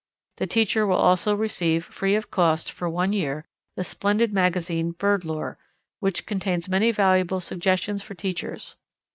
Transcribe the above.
The teacher will also receive, free of cost, for one year, the splendid magazine Bird Lore, which contains many valuable suggestions for teachers.